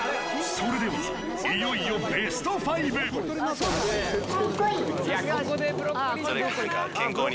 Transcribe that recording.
それではいよいよベスト５それが何か。